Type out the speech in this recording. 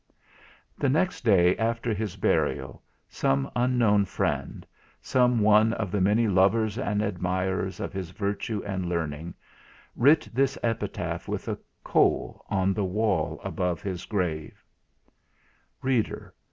The next day after his burial some unknown friend, some one of the many lovers and admirers of his virtue and learning, writ this epitaph with a coal on the wall over his grave: "Reader!